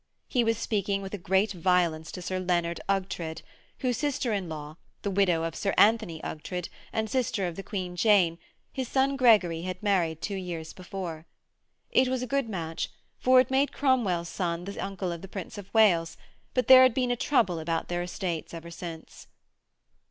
He was speaking with a great violence to Sir Leonard Ughtred, whose sister in law, the widow of Sir Anthony Ughtred, and sister of the Queen Jane, his son Gregory had married two years before. It was a good match, for it made Cromwell's son the uncle of the Prince of Wales, but there had been a trouble about their estates ever since.